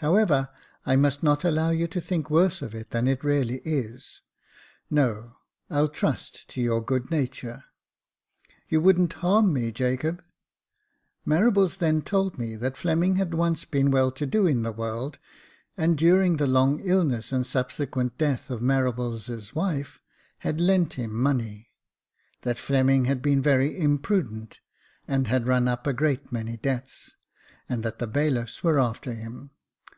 However, I must not allow you to think worse of it than it really is ; no, I'll trust to your good nature. You wouldn't harm me, Jacob ?" Marables then told me that Fleming had once been well to do in the world, and during the long illness and subsequent death of Marables' wife, had lent him money ; that Fleming had been very imprudent, and had run up a great many debts, and that the bailiffs were after him.